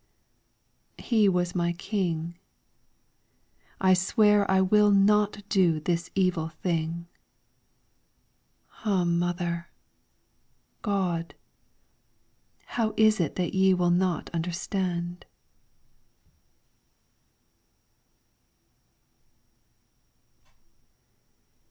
He was my King. I swear I will not do this evil thing. Ah Mother ! God ! How is it that ye will not understand